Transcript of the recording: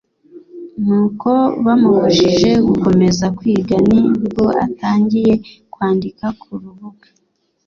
n uko bamubujije gukomeza kwiga Ni bwo atangiye kwandika ku rubuga